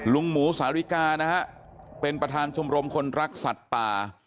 ลุงหมูสาริกานะฮะเป็นประธานชมรมคนรักสัตว์ป่า